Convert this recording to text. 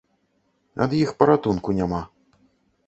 Ад іх паратунку няма.